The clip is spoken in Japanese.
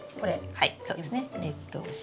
はい。